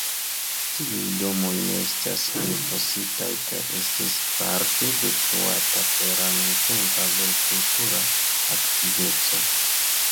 Tiuj domoj ne estas elfositaj kaj estis parte detruata per la nuntempa agrikultura aktiveco.